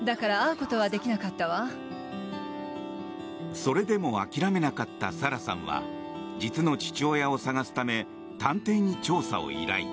それでも諦めなかったサラさんは実の父親を探すため探偵に調査を依頼。